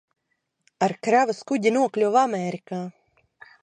Ar kravas kuģi nokļuva Amerikā.